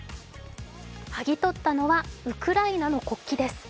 はぎ取ったのは、ウクライナの国旗です。